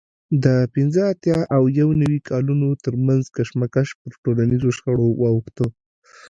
د پینځه اتیا او یو نوي کالونو ترمنځ کشمکش پر ټولنیزو شخړو واوښتلو